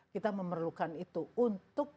kita memerlukan itu untuk